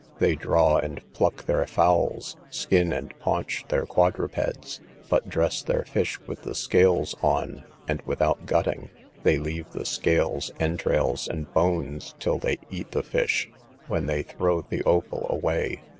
They draw and pluck their fowls, skin and paunch their quadrupeds, but dress their fish with the scales on, and without gutting; they leave the scales, entrails, and bones, till they eat the fish, when they throw the offal away.